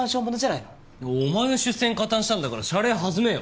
お前の出世に加担したんだから謝礼弾めよ。